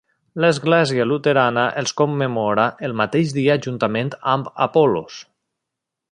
L'Església luterana els commemora el mateix dia juntament amb Apollos.